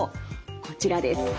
こちらです。